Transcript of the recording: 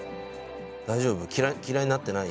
大丈夫？